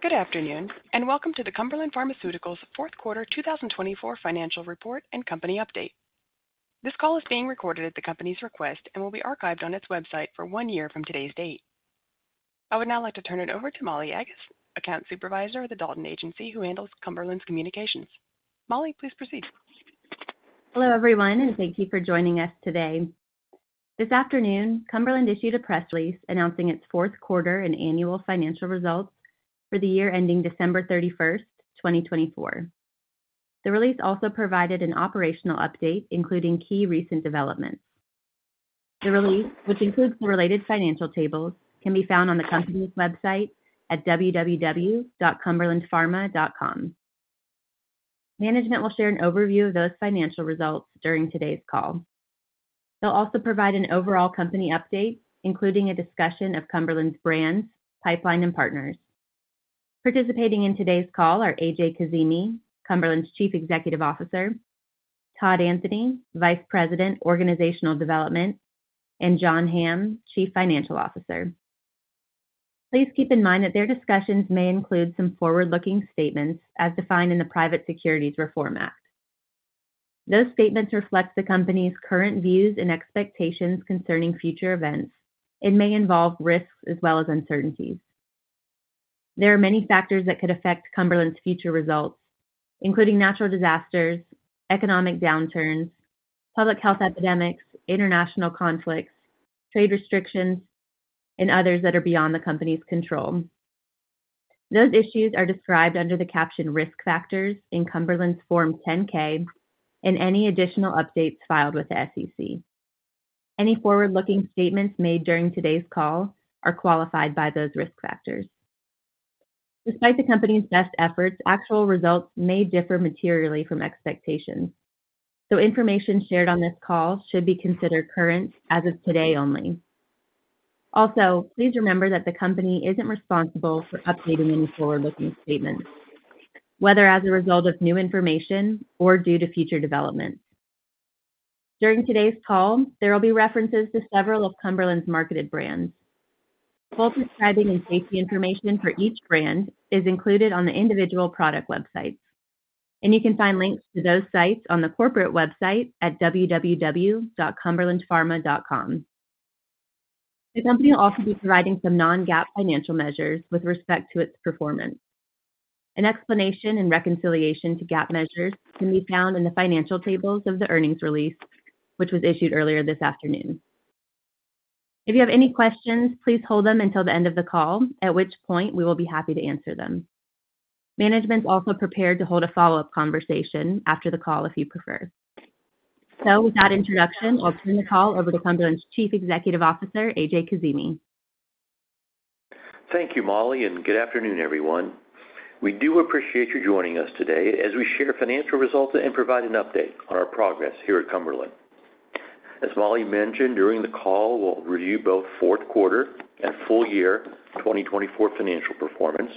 Good afternoon, and welcome to the Cumberland Pharmaceuticals' fourth quarter 2024 financial report and company update. This call is being recorded at the company's request and will be archived on its website for one year from today's date. I would now like to turn it over to Molly Aggas, Account Supervisor at the Dalton Agency, who handles Cumberland's communications. Molly, please proceed. Hello, everyone, and thank you for joining us today. This afternoon, Cumberland issued a press release announcing its fourth quarter and annual financial results for the year ending December 31, 2024. The release also provided an operational update, including key recent developments. The release, which includes the related financial tables, can be found on the company's website at www.cumberlandpharma.com. Management will share an overview of those financial results during today's call. They'll also provide an overall company update, including a discussion of Cumberland's brands, pipeline, and partners. Participating in today's call are A.J. Kazimi, Cumberland's Chief Executive Officer; Todd Anthony, Vice President, Organizational Development; and John Hamm, Chief Financial Officer. Please keep in mind that their discussions may include some forward-looking statements, as defined in the Private Securities Reform Act. Those statements reflect the company's current views and expectations concerning future events and may involve risks as well as uncertainties. There are many factors that could affect Cumberland's future results, including natural disasters, economic downturns, public health epidemics, international conflicts, trade restrictions, and others that are beyond the company's control. Those issues are described under the caption "Risk Factors" in Cumberland's Form 10-K and any additional updates filed with the SEC. Any forward-looking statements made during today's call are qualified by those risk factors. Despite the company's best efforts, actual results may differ materially from expectations, so information shared on this call should be considered current as of today only. Also, please remember that the company isn't responsible for updating any forward-looking statements, whether as a result of new information or due to future developments. During today's call, there will be references to several of Cumberland's marketed brands. Full prescribing and safety information for each brand is included on the individual product websites, and you can find links to those sites on the corporate website at www.cumberlandpharma.com. The company will also be providing some non-GAAP financial measures with respect to its performance. An explanation and reconciliation to GAAP measures can be found in the financial tables of the earnings release, which was issued earlier this afternoon. If you have any questions, please hold them until the end of the call, at which point we will be happy to answer them. Management is also prepared to hold a follow-up conversation after the call if you prefer. With that introduction, I'll turn the call over to Cumberland's Chief Executive Officer, A.J. Kazimi. Thank you, Molly, and good afternoon, everyone. We do appreciate your joining us today as we share financial results and provide an update on our progress here at Cumberland. As Molly mentioned, during the call, we'll review both fourth quarter and full year 2024 financial performance,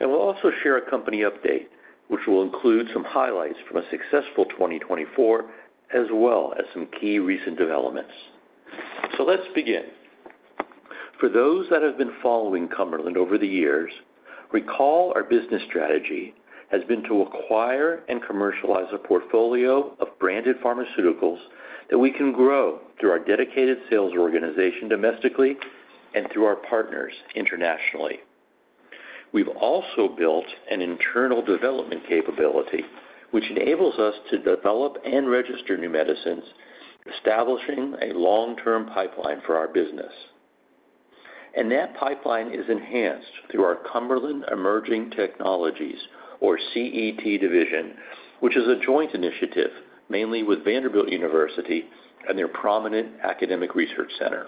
and we'll also share a company update, which will include some highlights from a successful 2024, as well as some key recent developments. Let's begin. For those that have been following Cumberland over the years, recall our business strategy has been to acquire and commercialize a portfolio of branded pharmaceuticals that we can grow through our dedicated sales organization domestically and through our partners internationally. We've also built an internal development capability, which enables us to develop and register new medicines, establishing a long-term pipeline for our business. That pipeline is enhanced through our Cumberland Emerging Technologies, or CET, division, which is a joint initiative mainly with Vanderbilt University and their prominent academic research center.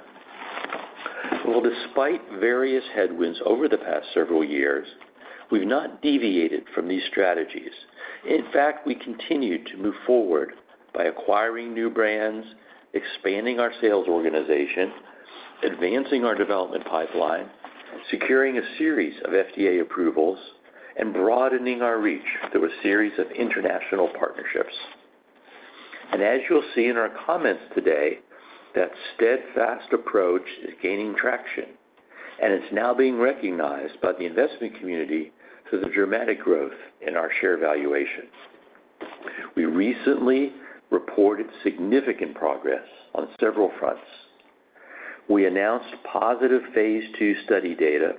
Despite various headwinds over the past several years, we've not deviated from these strategies. In fact, we continue to move forward by acquiring new brands, expanding our sales organization, advancing our development pipeline, securing a series of FDA approvals, and broadening our reach through a series of international partnerships. As you'll see in our comments today, that steadfast approach is gaining traction, and it's now being recognized by the investment community for the dramatic growth in our share valuation. We recently reported significant progress on several fronts. We announced positive phase two study data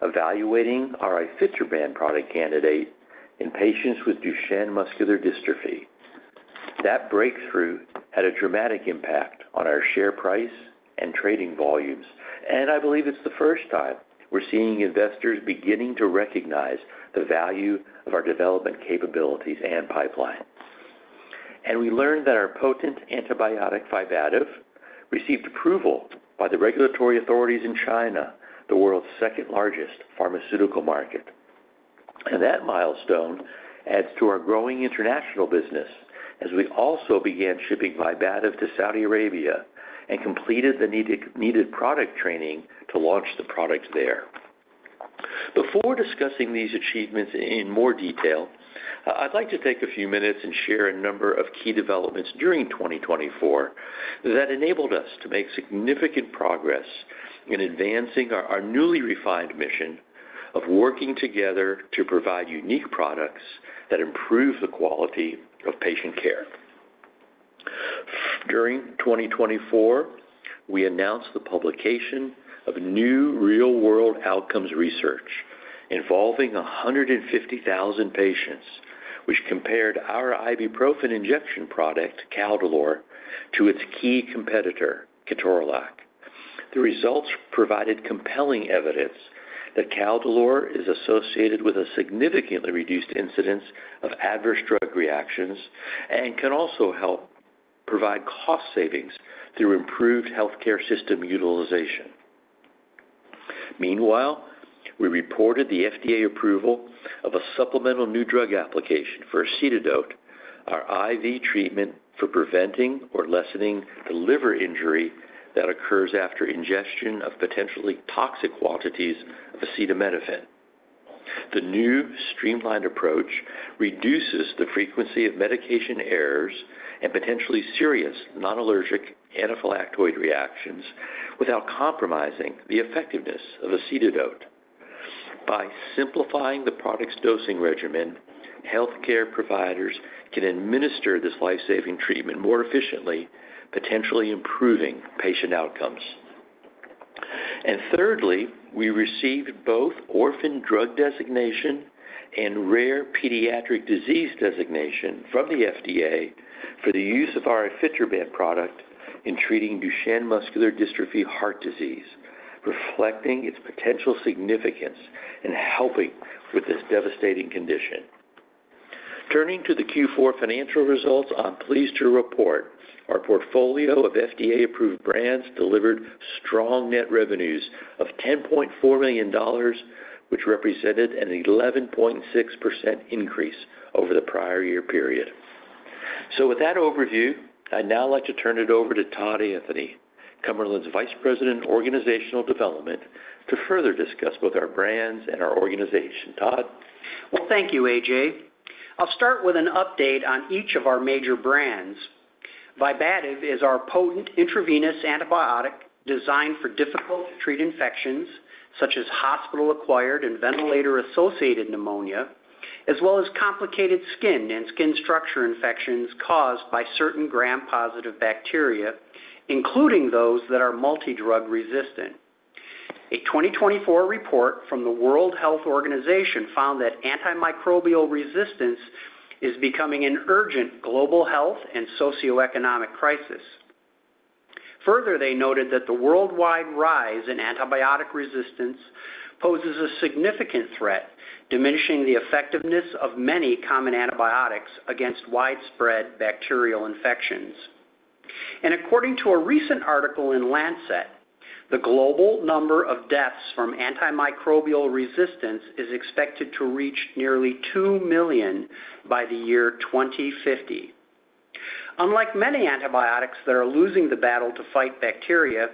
evaluating our ifetroban product candidate in patients with Duchenne muscular dystrophy. That breakthrough had a dramatic impact on our share price and trading volumes, and I believe it's the first time we're seeing investors beginning to recognize the value of our development capabilities and pipeline. We learned that our potent antibiotic Vibativ received approval by the regulatory authorities in China, the world's second largest pharmaceutical market. That milestone adds to our growing international business as we also began shipping Vibativ to Saudi Arabia and completed the needed product training to launch the product there. Before discussing these achievements in more detail, I'd like to take a few minutes and share a number of key developments during 2024 that enabled us to make significant progress in advancing our newly refined mission of working together to provide unique products that improve the quality of patient care. During 2024, we announced the publication of new real-world outcomes research involving 150,000 patients, which compared our ibuprofen injection product, Caldolor, to its key competitor, ketorolac. The results provided compelling evidence that Caldolor is associated with a significantly reduced incidence of adverse drug reactions and can also help provide cost savings through improved healthcare system utilization. Meanwhile, we reported the FDA approval of a supplemental new drug application for Acetadote, our IV treatment for preventing or lessening the liver injury that occurs after ingestion of potentially toxic quantities of acetaminophen. The new streamlined approach reduces the frequency of medication errors and potentially serious non-allergic anaphylactoid reactions without compromising the effectiveness of Acetadote. By simplifying the product's dosing regimen, healthcare providers can administer this lifesaving treatment more efficiently, potentially improving patient outcomes. Thirdly, we received both Orphan Drug Designation and Rare Pediatric Disease Designation from the FDA for the use of our ifetroban product in treating Duchenne muscular dystrophy heart disease, reflecting its potential significance in helping with this devastating condition. Turning to the Q4 financial results, I'm pleased to report our portfolio of FDA-approved brands delivered strong net revenues of $10.4 million, which represented an 11.6% increase over the prior year period. With that overview, I'd now like to turn it over to Todd Anthony, Cumberland's Vice President, Organizational Development, to further discuss both our brands and our organization. Todd. Thank you, A.J. I'll start with an update on each of our major brands. Vibativ is our potent intravenous antibiotic designed for difficult-to-treat infections such as hospital-acquired and ventilator-associated pneumonia, as well as complicated skin and skin structure infections caused by certain Gram-positive bacteria, including those that are multi-drug resistant. A 2024 report from the World Health Organization found that antimicrobial resistance is becoming an urgent global health and socioeconomic crisis. Further, they noted that the worldwide rise in antibiotic resistance poses a significant threat, diminishing the effectiveness of many common antibiotics against widespread bacterial infections. According to a recent article in Lancet, the global number of deaths from antimicrobial resistance is expected to reach nearly 2 million by the year 2050. Unlike many antibiotics that are losing the battle to fight bacteria,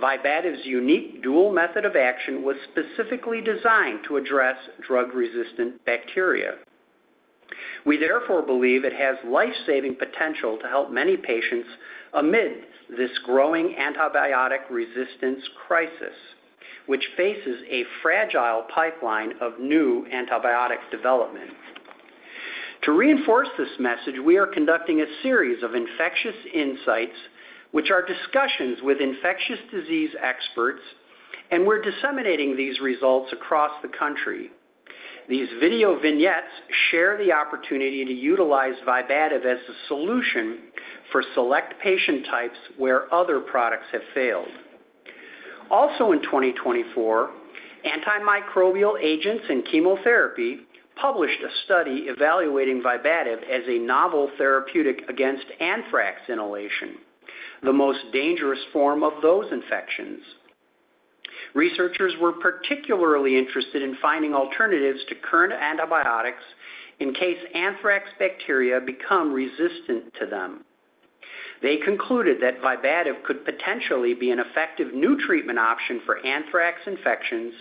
Vibativ's unique dual method of action was specifically designed to address drug-resistant bacteria. We therefore believe it has lifesaving potential to help many patients amid this growing antibiotic resistance crisis, which faces a fragile pipeline of new antibiotic development. To reinforce this message, we are conducting a series of Infectious Insights, which are discussions with infectious disease experts, and we're disseminating these results across the country. These video vignettes share the opportunity to utilize Vibativ as a solution for select patient types where other products have failed. Also in 2024, Antimicrobial Agents and Chemotherapy published a study evaluating Vibativ as a novel therapeutic against anthrax inhalation, the most dangerous form of those infections. Researchers were particularly interested in finding alternatives to current antibiotics in case anthrax bacteria become resistant to them. They concluded that Vibativ could potentially be an effective new treatment option for anthrax infections,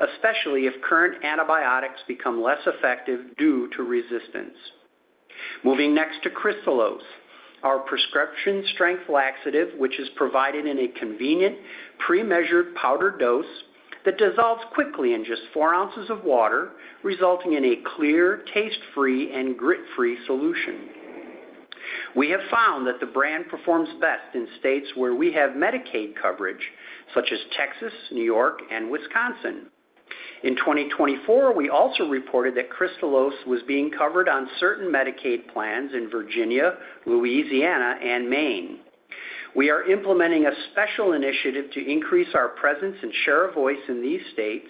especially if current antibiotics become less effective due to resistance. Moving next to Kristalose, our prescription-strength laxative, which is provided in a convenient, pre-measured powder dose that dissolves quickly in just four ounces of water, resulting in a clear, taste-free, and grit-free solution. We have found that the brand performs best in states where we have Medicaid coverage, such as Texas, New York, and Wisconsin. In 2024, we also reported that Kristalose was being covered on certain Medicaid plans in Virginia, Louisiana, and Maine. We are implementing a special initiative to increase our presence and share of voice in these states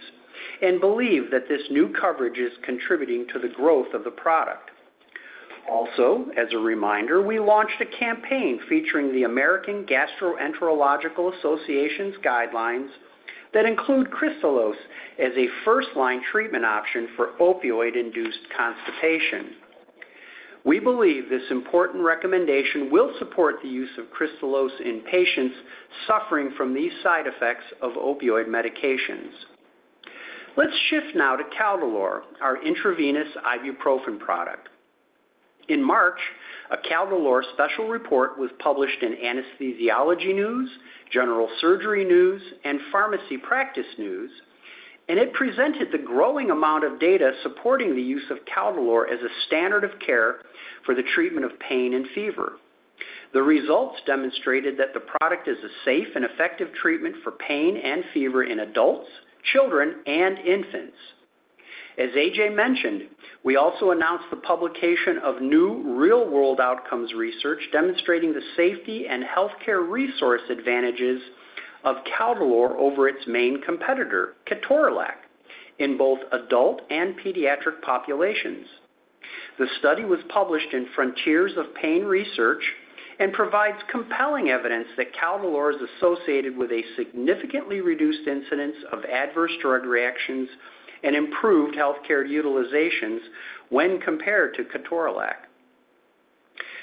and believe that this new coverage is contributing to the growth of the product. Also, as a reminder, we launched a campaign featuring the American Gastroenterological Association's guidelines that include Kristalose as a first-line treatment option for opioid-induced constipation. We believe this important recommendation will support the use of Kristalose in patients suffering from these side effects of opioid medications. Let's shift now to Caldolor, our intravenous ibuprofen product. In March, a Caldolor special report was published in Anesthesiology News, General Surgery News, and Pharmacy Practice News, and it presented the growing amount of data supporting the use of Caldolor as a standard of care for the treatment of pain and fever. The results demonstrated that the product is a safe and effective treatment for pain and fever in adults, children, and infants. As A.J. mentioned, we also announced the publication of new real-world outcomes research demonstrating the safety and healthcare resource advantages of Caldolor over its main competitor, ketorolac, in both adult and pediatric populations. The study was published in Frontiers of Pain Research and provides compelling evidence that Caldolor is associated with a significantly reduced incidence of adverse drug reactions and improved healthcare utilizations when compared to ketorolac.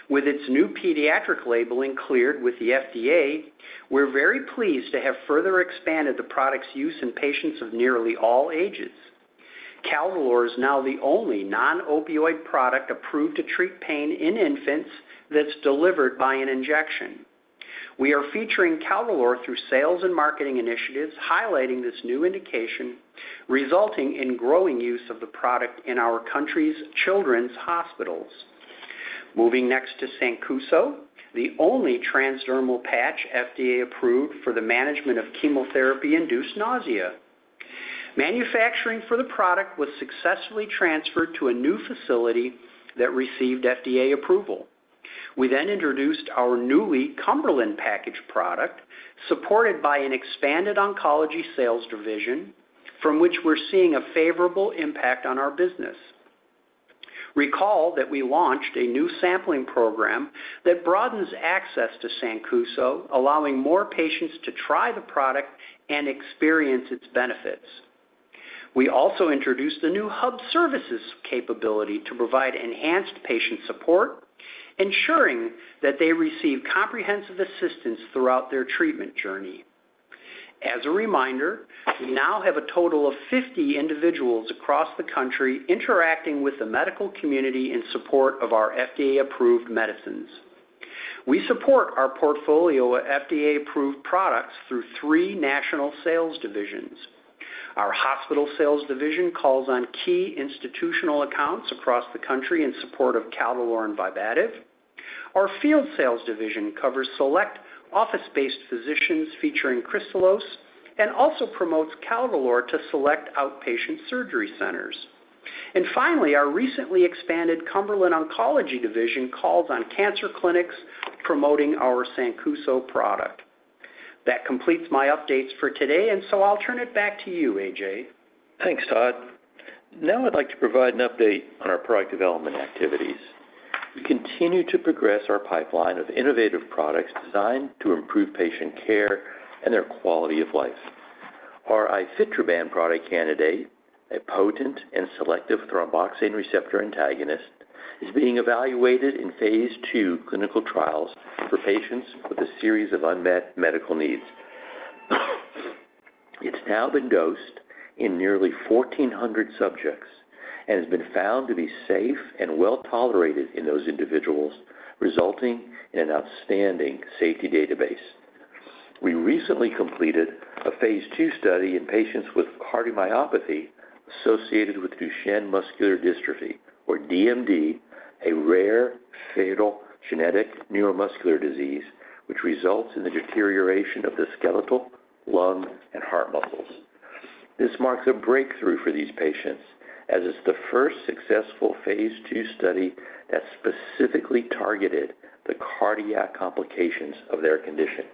With its new pediatric labeling cleared with the FDA, we're very pleased to have further expanded the product's use in patients of nearly all ages. Caldolor is now the only non-opioid product approved to treat pain in infants that's delivered by an injection. We are featuring Caldolor through sales and marketing initiatives highlighting this new indication, resulting in growing use of the product in our country's children's hospitals. Moving next to Sancuso, the only transdermal patch FDA approved for the management of chemotherapy-induced nausea. Manufacturing for the product was successfully transferred to a new facility that received FDA approval. We then introduced our newly Cumberland-packaged product, supported by an expanded oncology sales division, from which we're seeing a favorable impact on our business. Recall that we launched a new sampling program that broadens access to Sancuso, allowing more patients to try the product and experience its benefits. We also introduced a new hub services capability to provide enhanced patient support, ensuring that they receive comprehensive assistance throughout their treatment journey. As a reminder, we now have a total of 50 individuals across the country interacting with the medical community in support of our FDA-approved medicines. We support our portfolio of FDA-approved products through three national sales divisions. Our hospital sales division calls on key institutional accounts across the country in support of Caldolor and Vibativ. Our field sales division covers select office-based physicians featuring Kristalose and also promotes Caldolor to select outpatient surgery centers. Our recently expanded Cumberland Oncology Division calls on cancer clinics, promoting our Sancuso product. That completes my updates for today, and so I'll turn it back to you, A.J. Thanks, Todd. Now I'd like to provide an update on our product development activities. We continue to progress our pipeline of innovative products designed to improve patient care and their quality of life. Our ifetroban product candidate, a potent and selective thromboxane receptor antagonist, is being evaluated in phase two clinical trials for patients with a series of unmet medical needs. It's now been dosed in nearly 1,400 subjects and has been found to be safe and well-tolerated in those individuals, resulting in an outstanding safety database. We recently completed a phase two study in patients with cardiomyopathy associated with Duchenne muscular dystrophy, or DMD, a rare fatal genetic neuromuscular disease which results in the deterioration of the skeletal, lung, and heart muscles. This marks a breakthrough for these patients as it's the first successful phase two study that specifically targeted the cardiac complications of their condition.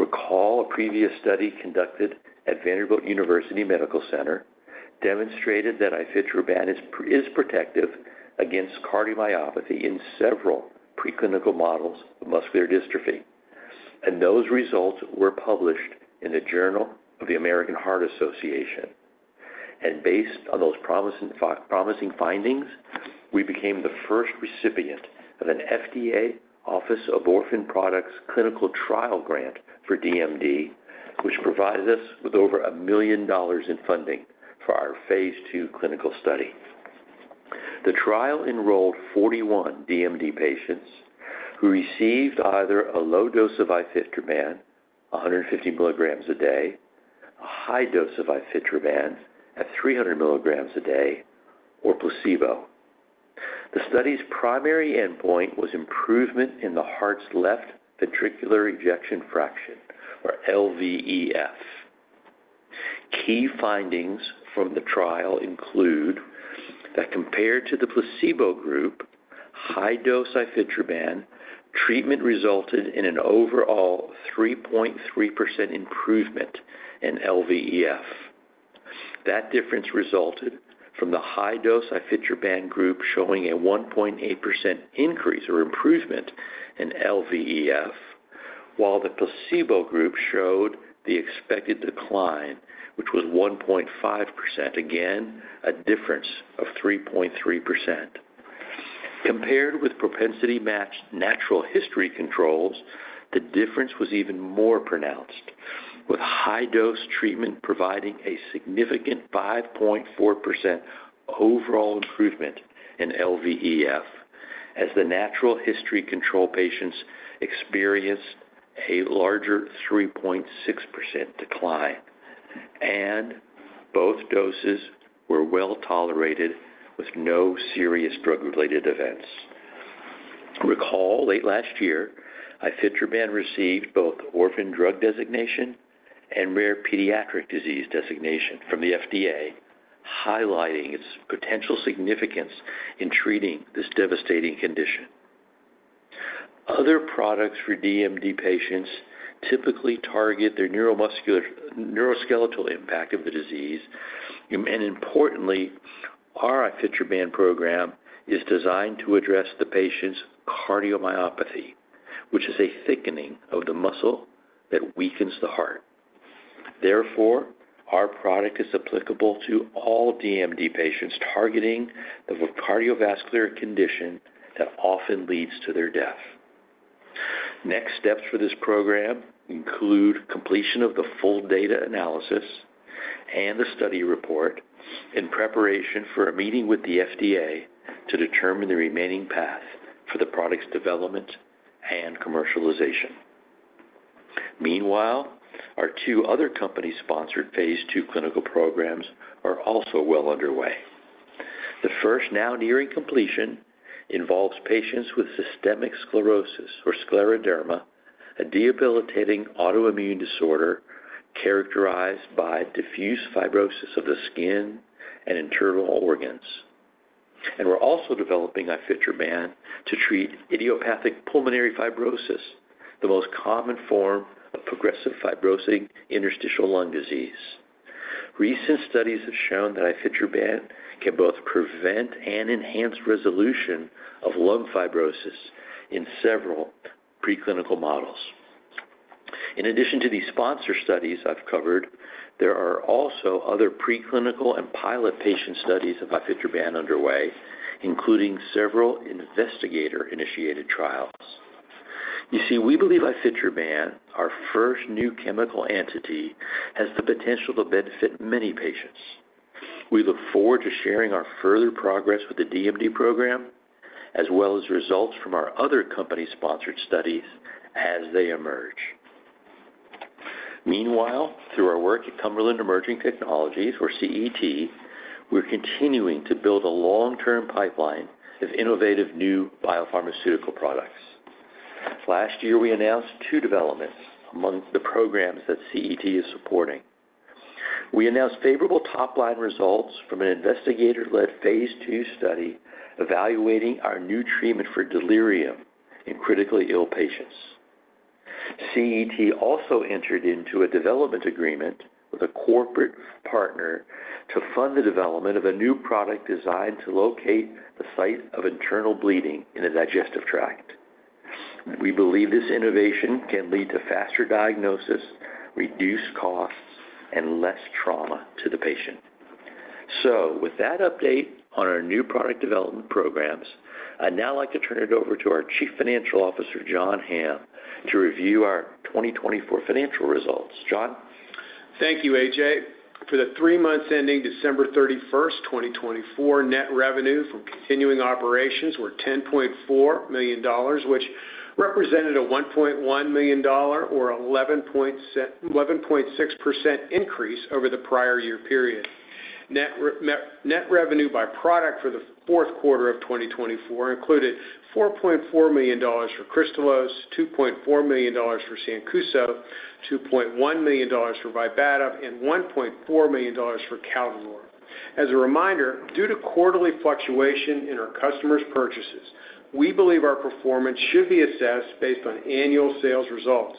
Recall a previous study conducted at Vanderbilt University Medical Center demonstrated that ifetroban is protective against cardiomyopathy in several preclinical models of muscular dystrophy, and those results were published in the Journal of the American Heart Association. Based on those promising findings, we became the first recipient of an FDA Office of Orphan Products Clinical Trial grant for DMD, which provided us with over $1 million in funding for our phase two clinical study. The trial enrolled 41 DMD patients who received either a low dose of ifetroban, 150 mg a day, a high dose of ifetroban at 300 mg a day, or placebo. The study's primary endpoint was improvement in the heart's left ventricular ejection fraction, or LVEF. Key findings from the trial include that compared to the placebo group, high dose ifetroban treatment resulted in an overall 3.3% improvement in LVEF. That difference resulted from the high dose ifetroban group showing a 1.8% increase or improvement in LVEF, while the placebo group showed the expected decline, which was 1.5%, again a difference of 3.3%. Compared with propensity-matched natural history controls, the difference was even more pronounced, with high dose treatment providing a significant 5.4% overall improvement in LVEF, as the natural history control patients experienced a larger 3.6% decline, and both doses were well tolerated with no serious drug-related events. Recall late last year, ifetroban received both Orphan Drug Designation and Rare Pediatric Disease designation from the FDA, highlighting its potential significance in treating this devastating condition. Other products for DMD patients typically target their neuromuscular neuroskeletal impact of the disease, and importantly, our ifetroban program is designed to address the patient's cardiomyopathy, which is a thickening of the muscle that weakens the heart. Therefore, our product is applicable to all DMD patients targeting the cardiovascular condition that often leads to their death. Next steps for this program include completion of the full data analysis and the study report in preparation for a meeting with the FDA to determine the remaining path for the product's development and commercialization. Meanwhile, our two other company-sponsored phase two clinical programs are also well underway. The first, now nearing completion, involves patients with systemic sclerosis or scleroderma, a debilitating autoimmune disorder characterized by diffuse fibrosis of the skin and internal organs. We are also developing ifetroban to treat idiopathic pulmonary fibrosis, the most common form of progressive fibrosing interstitial lung disease. Recent studies have shown that ifetroban can both prevent and enhance resolution of lung fibrosis in several preclinical models. In addition to these sponsor studies I've covered, there are also other preclinical and pilot patient studies of ifetroban underway, including several investigator-initiated trials. You see, we believe ifetroban, our first new chemical entity, has the potential to benefit many patients. We look forward to sharing our further progress with the DMD program, as well as results from our other company-sponsored studies as they emerge. Meanwhile, through our work at Cumberland Emerging Technologies, or CET, we're continuing to build a long-term pipeline of innovative new biopharmaceutical products. Last year, we announced two developments among the programs that CET is supporting. We announced favorable top-line results from an investigator-led phase two study evaluating our new treatment for delirium in critically ill patients. CET also entered into a development agreement with a corporate partner to fund the development of a new product designed to locate the site of internal bleeding in the digestive tract. We believe this innovation can lead to faster diagnosis, reduced costs, and less trauma to the patient. With that update on our new product development programs, I'd now like to turn it over to our Chief Financial Officer, John Hamm, to review our 2024 financial results. John. Thank you, A.J. For the three months ending December 31, 2024, net revenue from continuing operations were $10.4 million, which represented a $1.1 million, or 11.6% increase over the prior year period. Net revenue by product for the fourth quarter of 2024 included $4.4 million for Kristalose, $2.4 million for Sancuso, $2.1 million for Vibativ, and $1.4 million for Caldolor. As a reminder, due to quarterly fluctuation in our customers' purchases, we believe our performance should be assessed based on annual sales results.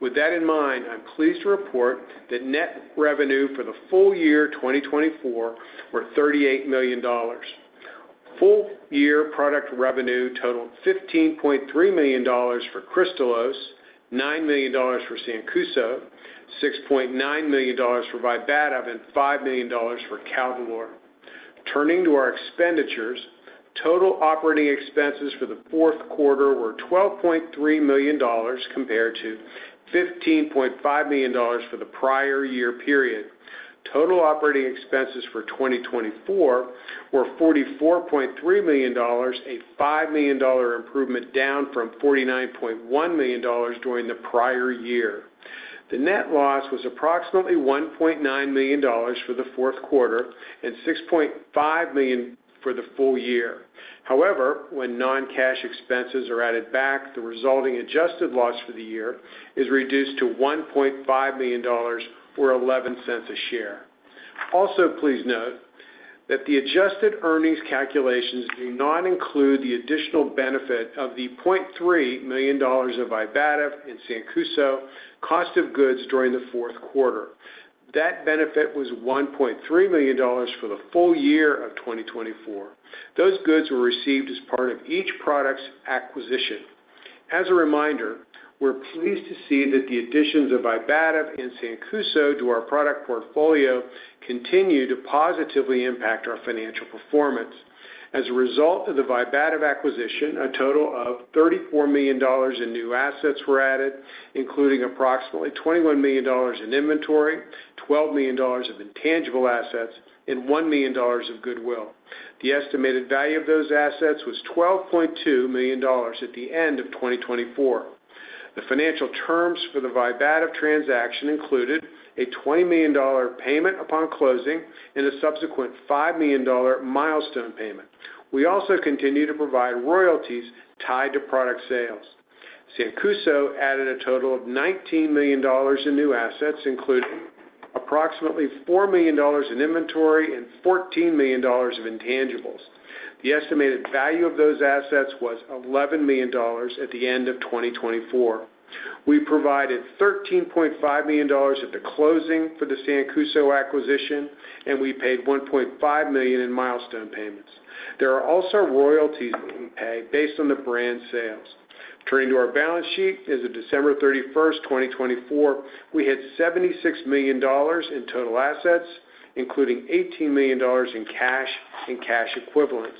With that in mind, I'm pleased to report that net revenue for the full year 2024 were $38 million. Full year product revenue totaled $15.3 million for Kristalose, $9 million for Sancuso, $6.9 million for Vibativ, and $5 million for Caldolor. Turning to our expenditures, total operating expenses for the fourth quarter were $12.3 million compared to $15.5 million for the prior year period. Total operating expenses for 2024 were $44.3 million, a $5 million improvement down from $49.1 million during the prior year. The net loss was approximately $1.9 million for the fourth quarter and $6.5 million for the full year. However, when non-cash expenses are added back, the resulting adjusted loss for the year is reduced to $1.5 million, or $0.11 a share. Also, please note that the adjusted earnings calculations do not include the additional benefit of the $0.3 million of Vibativ and Sancuso cost of goods during the fourth quarter. That benefit was $1.3 million for the full year of 2024. Those goods were received as part of each product's acquisition. As a reminder, we're pleased to see that the additions of Vibativ and Sancuso to our product portfolio continue to positively impact our financial performance. As a result of the Vibativ acquisition, a total of $34 million in new assets were added, including approximately $21 million in inventory, $12 million of intangible assets, and $1 million of goodwill. The estimated value of those assets was $12.2 million at the end of 2024. The financial terms for the Vibativ transaction included a $20 million payment upon closing and a subsequent $5 million milestone payment. We also continue to provide royalties tied to product sales. Sancuso added a total of $19 million in new assets, including approximately $4 million in inventory and $14 million of intangibles. The estimated value of those assets was $11 million at the end of 2024. We provided $13.5 million at the closing for the Sancuso acquisition, and we paid $1.5 million in milestone payments. There are also royalties being paid based on the brand sales. Turning to our balance sheet, as of December 31, 2024, we had $76 million in total assets, including $18 million in cash and cash equivalents.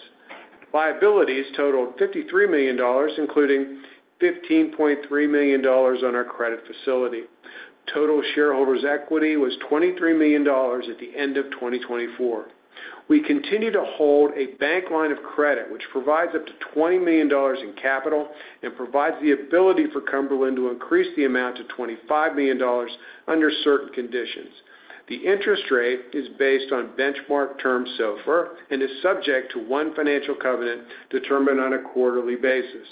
Liabilities totaled $53 million, including $15.3 million on our credit facility. Total shareholders' equity was $23 million at the end of 2024. We continue to hold a bank line of credit, which provides up to $20 million in capital and provides the ability for Cumberland to increase the amount to $25 million under certain conditions. The interest rate is based on benchmark terms SOFR and is subject to one financial covenant determined on a quarterly basis.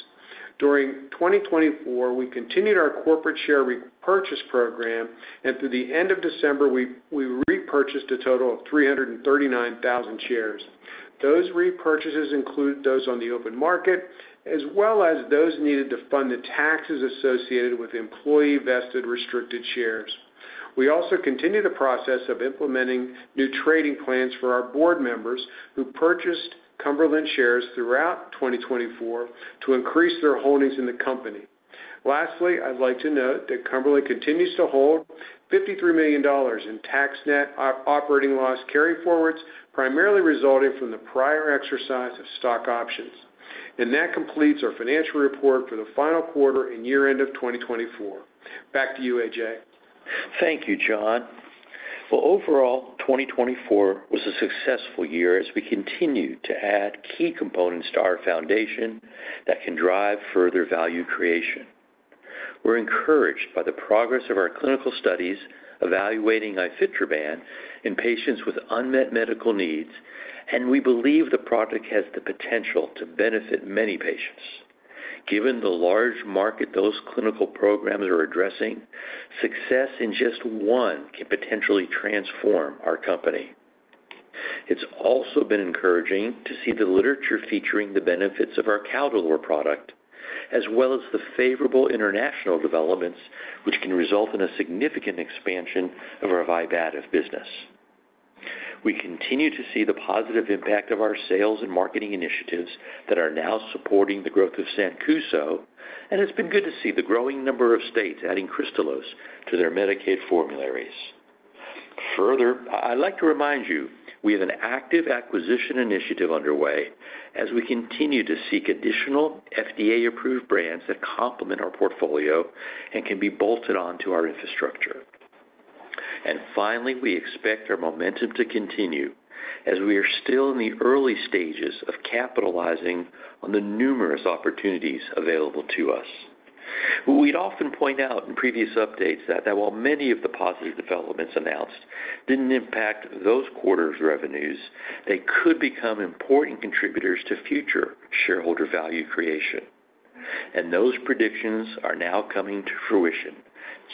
During 2024, we continued our corporate share repurchase program, and through the end of December, we repurchased a total of 339,000 shares. Those repurchases include those on the open market, as well as those needed to fund the taxes associated with employee vested restricted shares. We also continue the process of implementing new trading plans for our board members who purchased Cumberland shares throughout 2024 to increase their holdings in the company. Lastly, I'd like to note that Cumberland continues to hold $53 million in tax net operating loss carry forwards, primarily resulting from the prior exercise of stock options. That completes our financial report for the final quarter and year-end of 2024. Back to you, A.J. Thank you, John. Overall, 2024 was a successful year as we continue to add key components to our foundation that can drive further value creation. We're encouraged by the progress of our clinical studies evaluating ifetroban in patients with unmet medical needs, and we believe the product has the potential to benefit many patients. Given the large market those clinical programs are addressing, success in just one can potentially transform our company. It's also been encouraging to see the literature featuring the benefits of our Caldolor product, as well as the favorable international developments, which can result in a significant expansion of our Vibativ business. We continue to see the positive impact of our sales and marketing initiatives that are now supporting the growth of Sancuso, and it's been good to see the growing number of states adding Kristalose to their Medicaid formularies. Further, I'd like to remind you we have an active acquisition initiative underway as we continue to seek additional FDA-approved brands that complement our portfolio and can be bolted onto our infrastructure. Finally, we expect our momentum to continue as we are still in the early stages of capitalizing on the numerous opportunities available to us. We'd often point out in previous updates that while many of the positive developments announced did not impact those quarter's revenues, they could become important contributors to future shareholder value creation. Those predictions are now coming to fruition,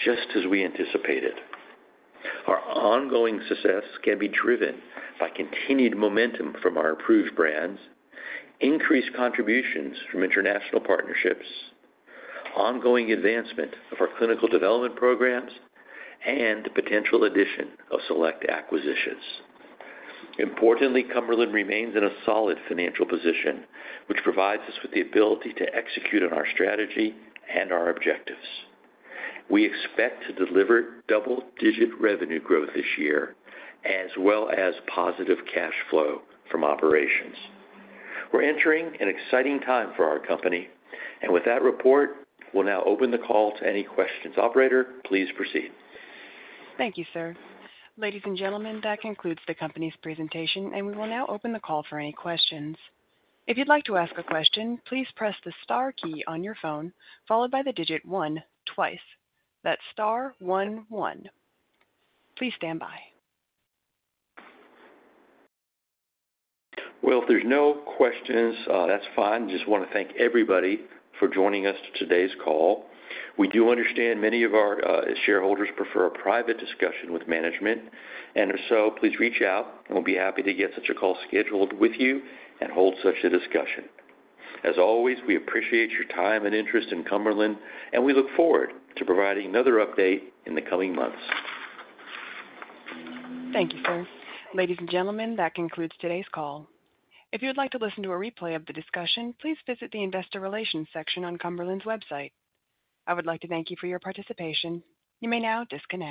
just as we anticipated. Our ongoing success can be driven by continued momentum from our approved brands, increased contributions from international partnerships, ongoing advancement of our clinical development programs, and potential addition of select acquisitions. Importantly, Cumberland remains in a solid financial position, which provides us with the ability to execute on our strategy and our objectives. We expect to deliver double-digit revenue growth this year, as well as positive cash flow from operations. We're entering an exciting time for our company, and with that report, we'll now open the call to any questions. Operator, please proceed. Thank you, sir. Ladies and gentlemen, that concludes the company's presentation, and we will now open the call for any questions. If you'd like to ask a question, please press the star key on your phone, followed by the digit one twice. That's star one one. Please stand by. If there's no questions, that's fine. Just want to thank everybody for joining us to today's call. We do understand many of our shareholders prefer a private discussion with management, and if so, please reach out, and we'll be happy to get such a call scheduled with you and hold such a discussion. As always, we appreciate your time and interest in Cumberland, and we look forward to providing another update in the coming months. Thank you, sir. Ladies and gentlemen, that concludes today's call. If you would like to listen to a replay of the discussion, please visit the investor relations section on Cumberland's website. I would like to thank you for your participation. You may now disconnect.